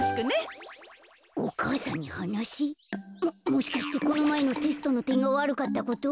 もしかしてこのまえのテストのてんがわるかったこと？